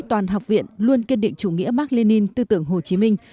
toàn học viện luôn kiên định chủ nghĩa mark lenin tư tưởng hồ chí minh